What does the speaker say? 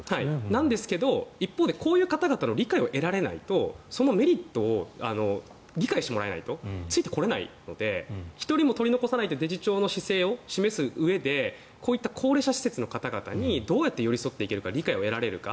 なんですが一方でこういう方々の理解を得られないとそのメリットを理解してもらえないとついてこれないので１人も取り残さないというデジ庁の姿勢を示すうえでこういった高齢者施設の方々にどう寄り添っていくか理解を得られるか。